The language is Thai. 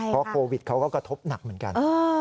เพราะโควิดเขาก็กระทบหนักเหมือนกัน